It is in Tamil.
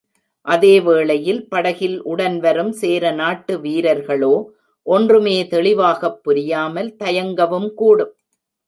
அதே வேளையில் படகில் உடன்வரும் சேரநாட்டு வீரர்களோ ஒன்றுமே தெளிவாகப் புரியாமல் தயங்கவும் கூடும்.